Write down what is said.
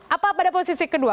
apa pada posisi kedua